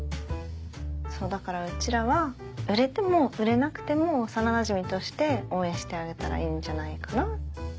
だからうちらは売れても売れなくても幼なじみとして応援してあげたらいいんじゃないかな？